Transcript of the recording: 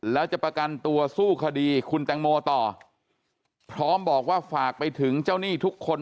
แล้วจะประกันตัวสู้คดีคุณแตงโมต่อพร้อมบอกว่าฝากไปถึงเจ้าหนี้ทุกคน